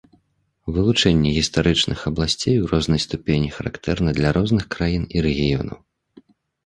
Вылучэнне гістарычных абласцей у рознай ступені характэрна для розных краін і рэгіёнаў.